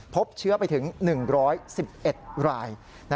พบเชื้อไปถึง๑๑๑ราย